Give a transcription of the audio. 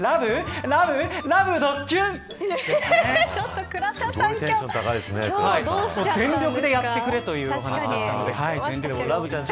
全力でやってくれというお話だったので。